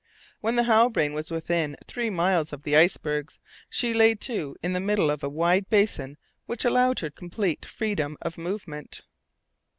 When the Halbrane was within three miles of the icebergs, she lay to in the middle of a wide basin which allowed her complete freedom of movement.